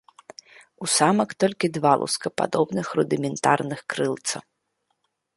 У самак толькі два лускападобных рудыментарных крылца.